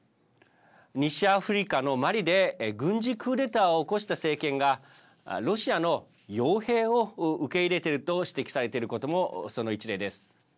西アフリカのマリで軍事クーデターを起こした政権がロシアのよう兵を受け入れていると指摘されていることもその一例です。